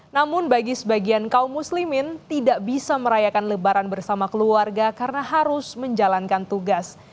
namun bagi sebagian kaum muslimin tidak bisa merayakan lebaran bersama keluarga karena harus menjalankan tugas